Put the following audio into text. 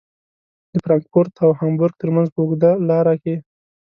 د فرانکفورت او هامبورګ ترمنځ په اوږده لاره کې.